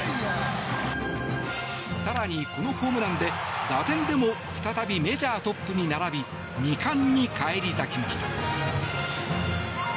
更に、このホームランで打点でも再びメジャートップに並び２冠に返り咲きました。